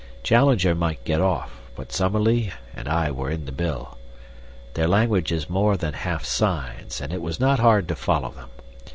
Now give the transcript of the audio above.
Challenger might get off, but Summerlee and I were in the bill. Their language is more than half signs, and it was not hard to follow them.